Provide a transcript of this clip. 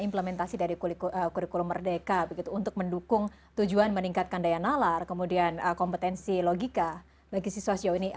implementasi dari kurikulum merdeka begitu untuk mendukung tujuan meningkatkan daya nalar kemudian kompetensi logika bagi siswa sejauh ini